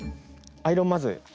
アイロンまず。